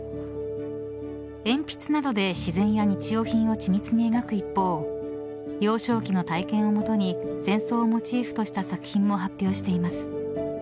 鉛筆などで自然や日用品を緻密に描く一方幼少期の体験をもとに戦争をモチーフとした作品も発表しています。